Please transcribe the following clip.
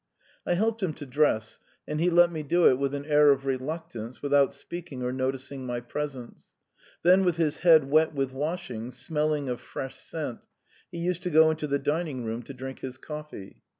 I helped him to dress, and he let me do it with an air of reluctance without speaking or noticing my presence; then with his head wet with washing, smelling of fresh scent, he used to go into the dining room to drink his coffee.